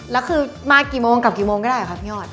แล้วคือมากี่โมงกับกี่โมงก็ได้ครับพี่ยอด